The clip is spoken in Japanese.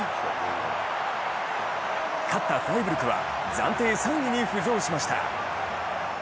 勝ったフライブルクは暫定３位に浮上しました。